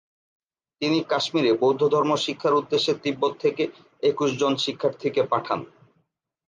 তিনি কাশ্মীরে বৌদ্ধধর্ম শিক্ষার উদ্দেশ্যে তিব্বত থেকে একুশ জন শিক্ষার্থীকে পাঠান।